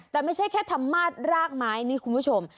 แต่ไม่ใช่แค่ธรรมาสรากไม้นี่คุณผู้ชม